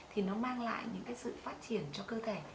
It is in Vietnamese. thì nó mang lại những cái sự phát triển cho cơ thể